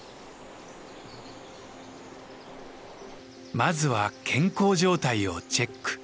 まずは健康状態をチェック。